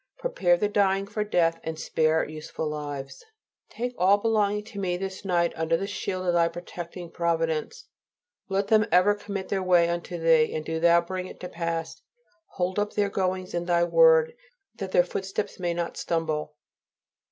Prepare the dying for death, and spare useful lives. Take all belonging to me this night under the shield of Thy protecting providence, let them ever commit their way onto Thee, and do Thou bring it to pass. Hold up their goings in Thy word, that their footsteps may not stumble.